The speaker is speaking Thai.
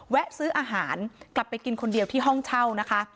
ซื้ออาหารกลับไปกินคนเดียวที่ห้องเช่านะคะ